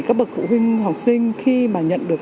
các bậc phụ huynh học sinh khi mà nhận được